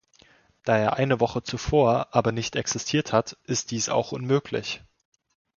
Da er eine Woche zuvor aber nicht existiert hat, ist dies auch unmöglich.